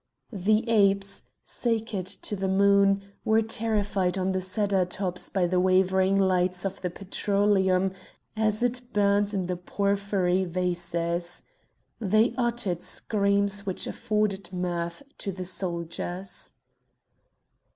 The apes, sacred to the moon, were terrified on the cedar tops by the wavering lights of the petroleum as it burned in the porphyry vases. They uttered screams which afforded mirth to the soldiers.